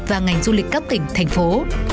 và ngành du lịch cấp tỉnh thành phố